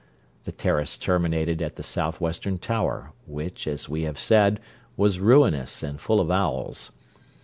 The terrace terminated at the south western tower, which, as we have said, was ruinous and full of owls.